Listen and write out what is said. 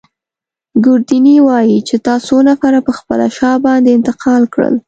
ګوردیني وايي چي تا څو نفره پر خپله شا باندې انتقال کړل.